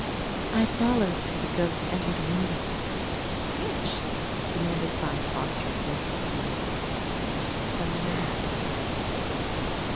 "I followed till the ghost entered a window." "Which?" demanded five awestruck voices at once. "The last."